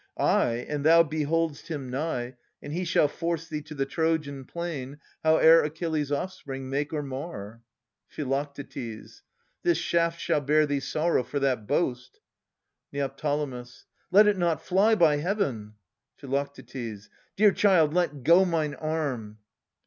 Ay, and thou behold'st him nigh, And he shall force thee to the Trojan plain, Howe'er Achilles' offspring make or mar. Phi. This shaft shall bear thee sorrow for that boast. Neo. Let it not fly, by Heaven ! Phi. Dear child, let go Mine arm